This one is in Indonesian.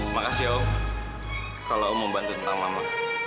makasih ya om kalau om mau bantu tentang mama